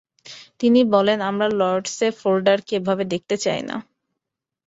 তিনি বলেন, আমরা লর্ডসে ফেন্ডারকে এভাবে দেখতে চাই না।